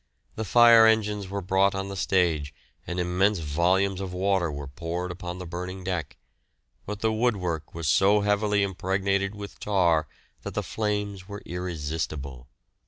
The fire engines were brought on the stage and immense volumes of water were poured upon the burning deck, but the woodwork was so heavily impregnated with tar that the flames were irresistible.